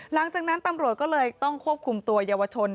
หลังจากนั้นตำรวจก็เลยต้องควบคุมตัวเยาวชน